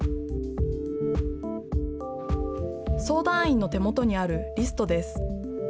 相談員の手元にあるリストです。